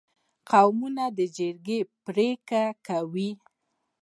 قومي جرګې پرېکړه وکړه